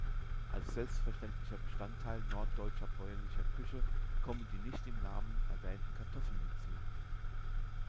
Als selbstverständlicher Bestandteil norddeutscher bäuerlicher Küche kommen die nicht im Namen erwähnten Kartoffeln hinzu.